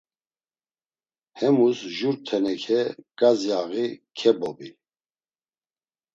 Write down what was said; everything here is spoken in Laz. Hemus jur teneke ǩazyaği kebobi.